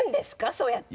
そうやって。